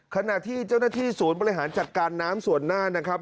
ขณะที่เจ้าหน้าที่ศูนย์บริหารจัดการน้ำส่วนหน้านะครับ